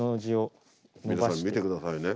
皆さん見て下さいね。